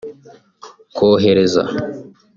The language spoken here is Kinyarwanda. kohereza